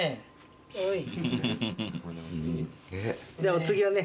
お次はね